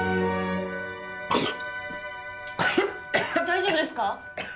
大丈夫ですか？